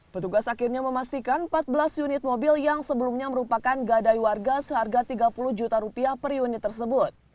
petugas akhirnya memastikan empat belas unit mobil yang sebelumnya merupakan gadai warga seharga tiga puluh juta rupiah per unit tersebut